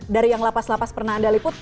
dari yang lapas lapas pernah anda liput